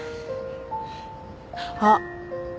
あっ。